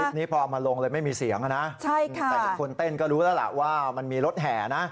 นี้พอเอามาลงเลยไม่มีเสียงนะแต่คนเต้นก็รู้แล้วล่ะว่ามันมีรถแห่นะ